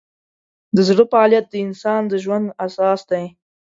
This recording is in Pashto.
د زړه فعالیت د انسان د ژوند اساس دی.